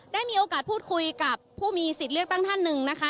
ได้มีโอกาสพูดคุยกับผู้มีสิทธิ์เลือกตั้งท่านหนึ่งนะคะ